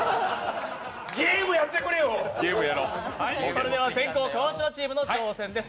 それでは先攻・川島チームの挑戦です。